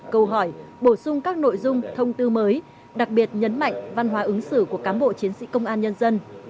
câu hỏi bổ sung các nội dung thông tư mới đặc biệt nhấn mạnh văn hóa ứng xử của cán bộ chiến sĩ công an nhân dân